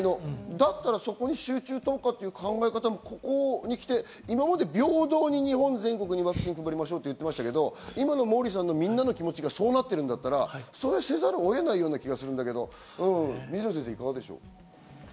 だったらそこに集中投下という考えもここに来て平等に日本全国にワクチンを配りましょうと言ってたけど、モーリーさんのみんなの気持ちがそうなってるんだったら、そうせざるを得ない気がするけど、水野先生、いかがでしょう？